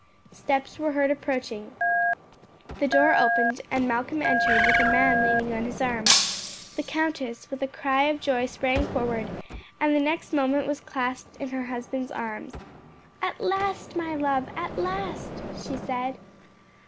Steps were heard approaching. The door opened, and Malcolm entered with a man leaning on his arm. The countess with a cry of joy sprang forward, and the next moment was clasped in her husband's arms. "At last, my love, at last!" she said.